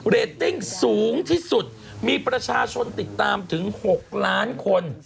เรตติ้งสูงที่สุดมีประชาชนติดตามถึง๖ล้านคน